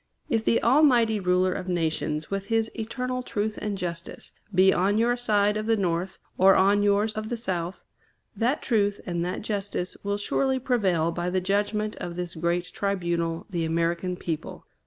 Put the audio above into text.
If the Almighty Ruler of nations, with his eternal truth and justice, be on your side of the North, or on yours of the South, that truth and that justice will surely prevail by the judgment of this great tribunal, the American people.